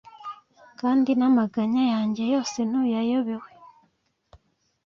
kandi n'amaganya yanjye yose ntuyayobewe